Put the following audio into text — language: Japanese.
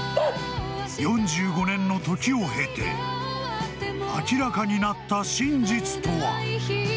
４５年の時を経て明らかになった真実とは。